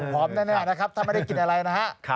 แน่นะครับถ้าไม่ได้กินอะไรนะฮะ